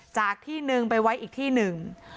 จากที่หนึ่งไปไว้อีกที่หนึ่ง